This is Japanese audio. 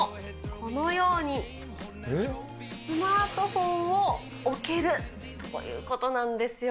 このようにスマートフォンを置けるということなんですよ。